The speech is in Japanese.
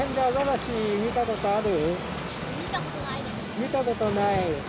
見たことない？